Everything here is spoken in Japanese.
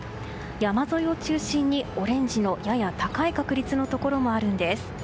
山沿いを中心にオレンジのやや高い確率のところがあるんです。